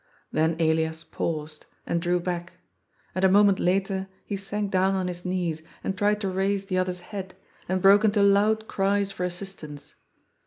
Then Elias paused, and drew back ; and a moment later he sank down on his knees and tried to raise the other's head, and broke into loud cries for assistance.